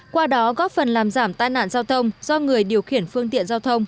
qua đó góp phần làm giảm tai nạn giao thông do người điều khiển phương tiện giao thông